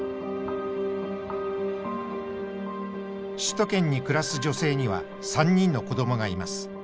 首都圏に暮らす女性には３人の子どもがいます。